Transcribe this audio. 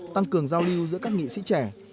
tăng cường giao lưu giữa các nghị sĩ trẻ